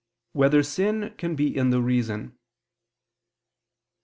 5] Whether Sin Can Be in the Reason?